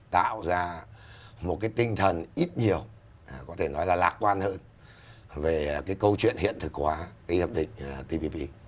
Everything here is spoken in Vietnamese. tạo ra một cái tinh thần ít nhiều có thể nói là lạc quan hơn về cái câu chuyện hiện thực hóa cái hiệp định tpp